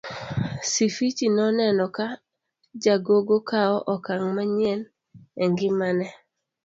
Sifichi noneno ka jagogo kawo okang' manyien e ngimane.